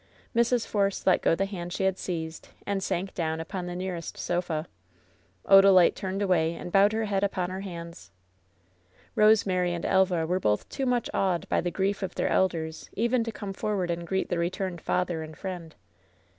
Mrs. Force let go the hand she had seized and sank down upon the nearest sof a, Odalite turned away and bowed her head upon her hands. Rosemary and Elva were both too much awed by the grief of their elders even to come forward and greet the returned father and friend.